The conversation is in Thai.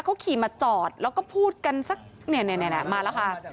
เขาขี่มาจอดแล้วก็พูดกันสักเนี่ยมาแล้วค่ะ